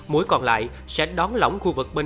mũi còn lại sẽ đón lỏng khu vực bệnh viện